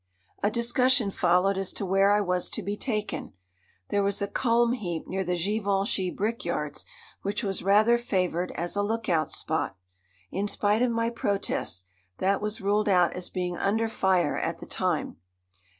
A discussion followed as to where I was to be taken. There was a culm heap near the Givenchy brickyards which was rather favoured as a lookout spot. In spite of my protests, that was ruled out as being under fire at the time.